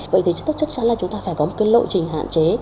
vậy thì chắc chắn là chúng ta phải có một lộ trình hạn chế